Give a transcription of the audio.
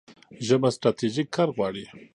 ژبه ستراتیژیک کار غواړي.